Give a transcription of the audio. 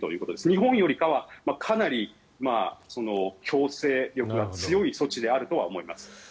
日本よりかはかなり強制力が強い措置ではあると思います。